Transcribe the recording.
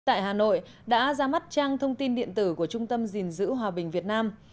tại hà nội đã ra mắt trang thông tin điện tử của trung tâm gìn giữ hòa bình việt nam